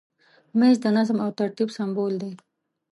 مېز د نظم او ترتیب سمبول دی.